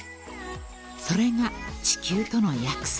［それが地球との約束］